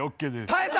耐えた！